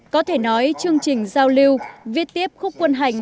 có thể nói chương trình giao lưu viết tiếp khúc quân hành